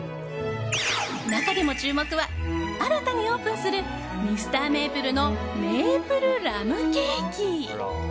中でも注目は新たにオープンするミスターメープルのメープルラムケーキ。